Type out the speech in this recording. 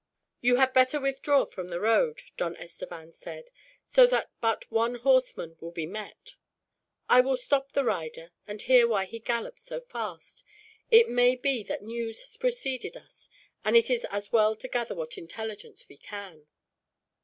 "You had better withdraw from the road," Don Estevan said, "so that but one horseman will be met. I will stop the rider, and hear why he gallops so fast. It may be that news has preceded us, and it is as well to gather what intelligence we can."